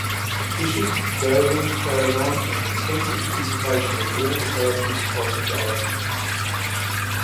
Bishop Garrigan carried on an extensive visitation of all the parishes of the diocese.